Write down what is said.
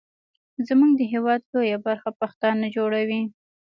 زمونږ د هیواد لویه برخه پښتانه جوړوي.